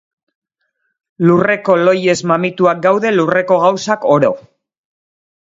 Lurreko lohiez mamituak daude lurreko gauzak oro.